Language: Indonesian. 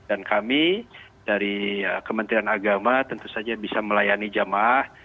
dan kami dari kementerian agama tentu saja bisa melayani jamaah